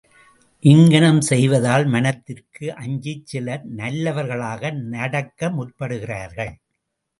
இங்ஙனம் செய்வதால் மனத்திற்கு அஞ்சிச் சிலர் நல்லவர்களாக நடக்க முற்படுகிறார்கள்.